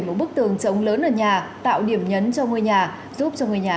một bức tường trống lớn ở nhà tạo điểm nhấn cho ngôi nhà giúp cho người nhà